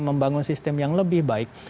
membangun sistem yang lebih baik